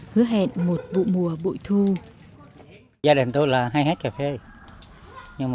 hứa hẹn một vụ mùa bụi thu